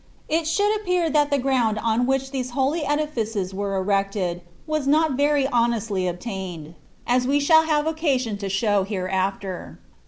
It should appear that ihe ground on which these holy edifices were erected was not »ery honestly obtained, as we flbtll have occasion to show hereafter.'